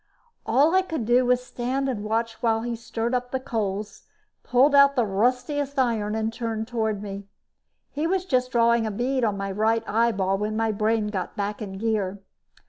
All I could do was stand and watch as he stirred up the coals, pulled out the ruddiest iron and turned toward me. He was just drawing a bead on my right eyeball when my brain got back in gear.